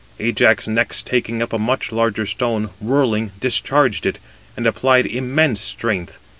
Ajax next taking up a much larger stone, whirling, discharged it, and applied immense strength.